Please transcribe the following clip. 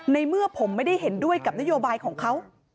ในเมื่อผมไม่ได้เห็นด้วยกับนโยบายของเขา